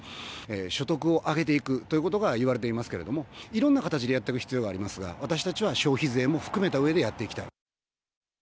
所得を上げていくということがいわれていますけれども、いろんな形でやっていく必要がありますが、私たちは消費税も含めたうえでやっていきたい。